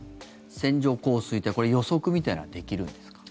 線状降水帯これ、予測みたいなのはできるんですか？